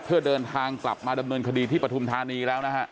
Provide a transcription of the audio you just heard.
เพื่อเดินทางกลับมาดำเนินคดีที่ปฐุมธานีแล้วนะฮะ